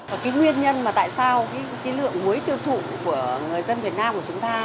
và cái nguyên nhân mà tại sao cái lượng muối tiêu thụ của người dân việt nam của chúng ta